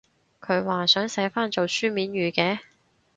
佢話想寫返做書面語嘅？